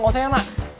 gak usah ya mak